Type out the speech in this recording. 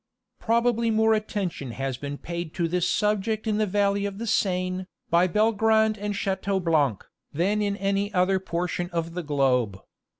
Probably more attention has been paid to this subject in the valley of the Seine, by Belgrand and Chateaublanc, than in any other portion of the globe.